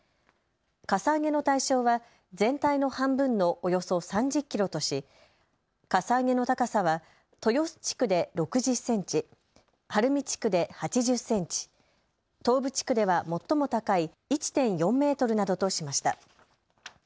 かさ上げの対象は全体の半分のおよそ３０キロとしかさ上げの高さは豊洲地区で６０センチ、晴海地区で８０センチ、東部地区では最も高い１．４メートルなどとしました。